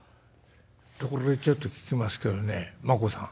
「ところでちょっと聞きますけどねマコさん」。